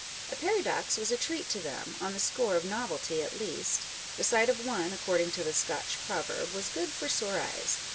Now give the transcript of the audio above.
A paradox was a treat to them, on the score of novelty at least ;" the sight of one," according to the Scotch proverb, " was good for sore eyes."